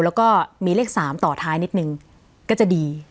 แล้วก็มีเลข๓ต่อท้ายนิดนึงก็จะดี